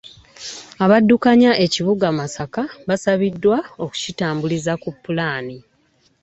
Abaddukanya ekibuga Masaka basabiddwa okukitambuliza ku ppulaani